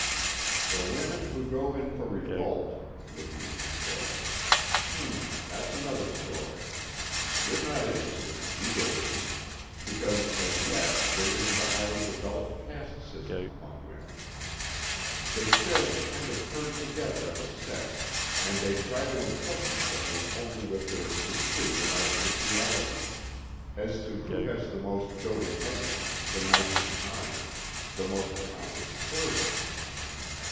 "The women who go in for revolt," Levine had said, "Hm, that's another story. They're not interested in egoism. Because as yet there isn't a highly developed caste system among women. They still kind of herd together as a sex and they try to impress each other only with their superior artificialities as to who has the most doting husband, the nicest times, the most accomplished servants.